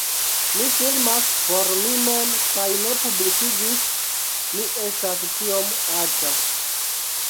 Mi filmas por mi mem kaj ne publikigis, mi estas tiom aĉa